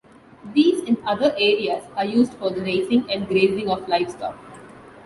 These and other areas are used for the raising and grazing of livestock.